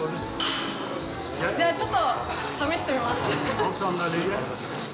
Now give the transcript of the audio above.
じゃあ、ちょっと試してみます。